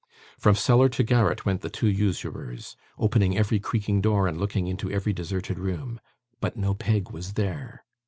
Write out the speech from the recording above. From cellar to garret went the two usurers, opening every creaking door and looking into every deserted room. But no Peg was there.